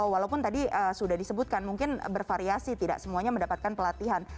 walaupun tadi sudah disebutkan mungkin bervariasi tidak semuanya mendapatkan pelatihan